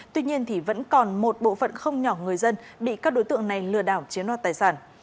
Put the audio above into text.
tuy nhiên vẫn còn một bộ phận không nhỏ người dân bị các đối tượng này lừa đảo chiếm đoạt tài sản